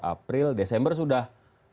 april desember sudah